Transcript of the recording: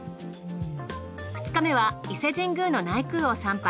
２日目は伊勢神宮の内宮を参拝。